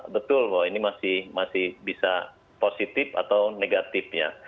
betul bahwa ini masih bisa positif atau negatifnya